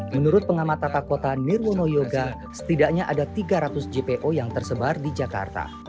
menurut pengamat tata kota nirwono yoga setidaknya ada tiga ratus jpo yang tersebar di jakarta